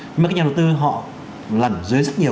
nhưng mà cái nhà đầu tư họ lẩn dưới rất nhiều